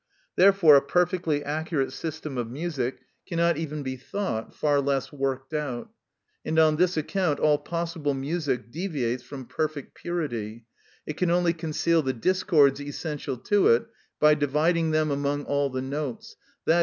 Therefore a perfectly accurate system of music cannot even be thought, far less worked out; and on this account all possible music deviates from perfect purity; it can only conceal the discords essential to it by dividing them among all the notes, _i.